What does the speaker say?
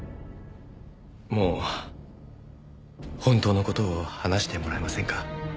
もう本当の事を話してもらえませんか？